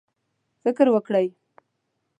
فکر وکړئ